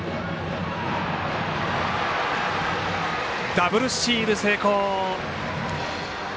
ダブルスチール成功。